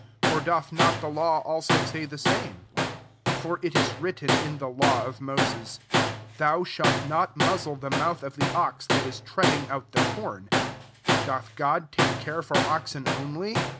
or doth not the law ailso say the same ? 9 For it is (vritten in the law of Moses, ^ Thou shalt not muzzle the mouth of the ox th&t is treading 9utthe com." Doth God take care for oxen only